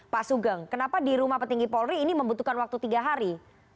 pak sugeng kenapa di rumah petinggi polri ini membutuhkan waktu tiga hari